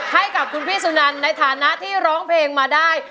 ให้กับคุณพี่สุนันในฐานะที่ร้องเพลงมาได้